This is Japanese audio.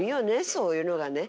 そういうのがね。